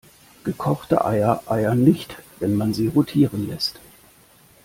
Gekochte Eier eiern nicht, wenn man sie rotieren lässt.